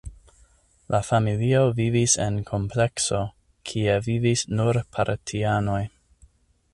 La familio vivis en komplekso, kie vivis nur partianoj.